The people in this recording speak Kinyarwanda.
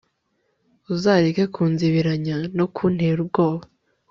uzareke kunzibiranya, no kuntera ubwoba